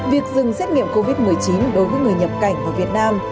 việc dừng xét nghiệm covid một mươi chín đối với người nhập cảnh vào việt nam